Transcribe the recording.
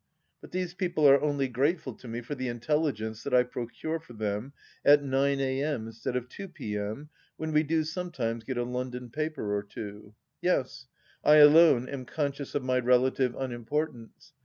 But these people are only grateful to me for the intelli gence that I procure for them at nine a.m. instead of two p.m., when we do sometimes get a London paper or two. Yes, ... I alone am conscious of my relative unimportance.